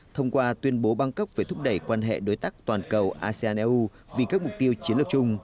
thông qua tuyên bố bangkok về thúc đẩy quan hệ đối tác toàn cầu asean eu vì các mục tiêu chiến lược chung